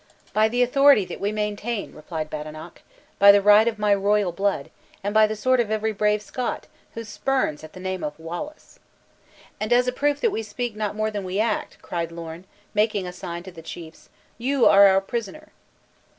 "By the authority that we will maintain," replied Badenoch; "by the right of my royal blood, and by the sword of every brave Scot, who spurns at the name of Wallace!" "And as a proof that we speak not more than we act," cried Lorn, making assign to the chiefs, "you are our prisoner!"